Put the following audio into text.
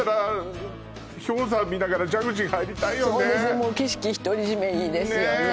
もう景色独り占めいいですよねねっ